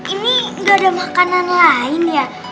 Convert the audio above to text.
ini nggak ada makanan lain ya